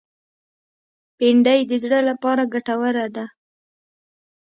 بېنډۍ د زړه لپاره ګټوره ده